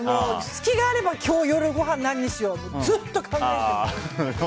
隙あれば今日夜ごはん何にしようってずっと考えてます。